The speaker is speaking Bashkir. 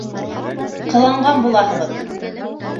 Ҡыланған булаһығыҙ.